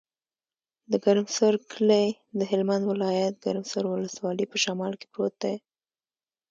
د ګرمسر کلی د هلمند ولایت، ګرمسر ولسوالي په شمال کې پروت دی.